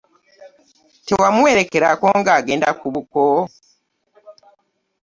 Tewamuwerekerako ng'agenda ku buko?